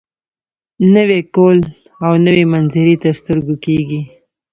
نوی کهول او نوې منظرې تر سترګو کېږي.